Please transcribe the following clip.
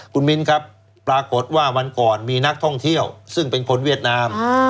คุณมิ้นครับปรากฏว่าวันก่อนมีนักท่องเที่ยวซึ่งเป็นคนเวียดนาม